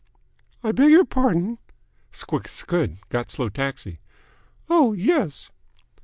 "I beg your pardon?" "Squick scould. Got slow taxi." "Oh, yes."